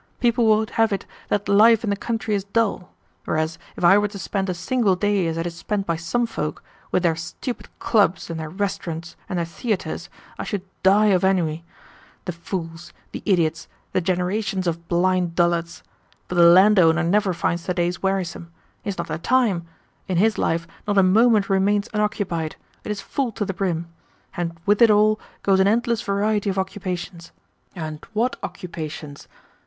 People would have it that life in the country is dull; whereas, if I were to spend a single day as it is spent by some folk, with their stupid clubs and their restaurants and their theatres, I should die of ennui. The fools, the idiots, the generations of blind dullards! But a landowner never finds the days wearisome he has not the time. In his life not a moment remains unoccupied; it is full to the brim. And with it all goes an endless variety of occupations. And what occupations!